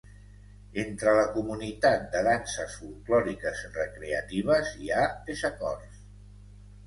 Entre la comunitat de danses folklòriques recreatives hi ha desacords.